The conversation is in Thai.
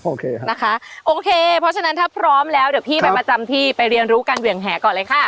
นะคะโอเคเพราะฉะนั้นถ้าพร้อมแล้วเดี๋ยวพี่ไปประจำที่ไปเรียนรู้การเหวี่ยงแห่ก่อนเลยค่ะ